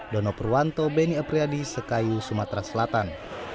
dono purwanto beni apriyadi sekayu sumatera selatan